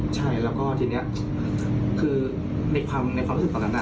ใช่แล้วก็ทีนี้คือในความรู้สึกตอนนั้น